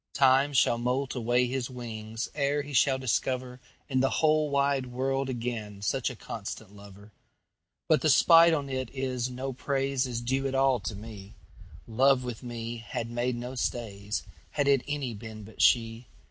Time shall moult away his wingsEre he shall discoverIn the whole wide world againSuch a constant lover. But the spite on 't is, no praiseIs due at all to me:Love with me had made no stays, Had it any been but she.